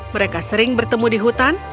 mereka sering bertemu di hutan